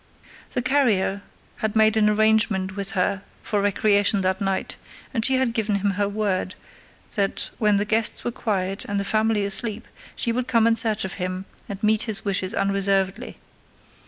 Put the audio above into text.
The carrier had made an arrangement with her for recreation that night, and she had given him her word that when the guests were quiet and the family asleep she would come in search of him and meet his wishes unreservedly.